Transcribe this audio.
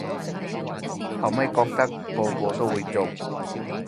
後咪覺得個個都會中